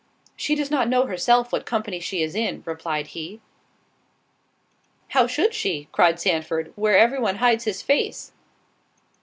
"She does not know herself what company she is in," replied he. "How should she," cried Sandford, "where every one hides his face?"